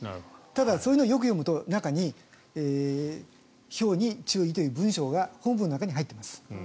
ただ、そういうのをよく読むと中に、ひょうに注意という文章が本文の中に入っています。